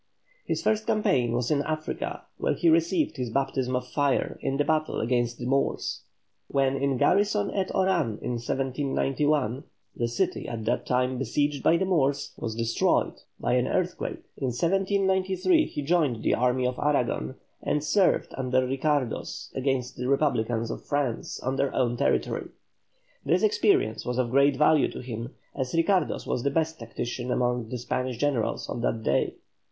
His first campaign was in Africa, where he received his baptism of fire in battle against the Moors. When in garrison at Oran in 1791, the city, at that time besieged by the Moors, was destroyed by an earthquake. In 1793 he joined the army of Aragon, and served under Ricardos against the republicans of France on their own territory. This experience was of great value to him, as Ricardos was the best tactician among the Spanish generals of that day.